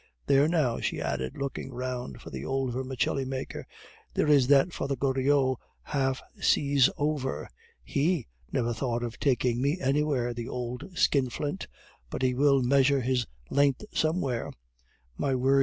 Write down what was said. There, now!" she added, looking round for the old vermicelli maker, "there is that Father Goriot half seas over. He never thought of taking me anywhere, the old skinflint. But he will measure his length somewhere. My word!